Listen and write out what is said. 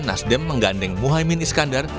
nasdem menggandeng muhaymin iskandar